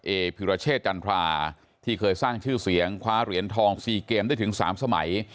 พิรเชษจันทราที่เคยสร้างชื่อเสียงคว้าเหรียญทอง๔เกมได้ถึง๓สมัย